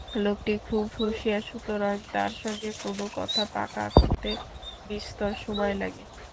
লোকটি খুব হুঁশিয়ার, সুতরাং তাঁর সঙ্গে কোনো কথা পাকা করতে বিস্তর সময় লাগে।